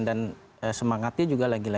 dan semangatnya juga lagi berubah